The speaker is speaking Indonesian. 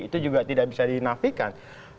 itu juga tidak bisa dinafikan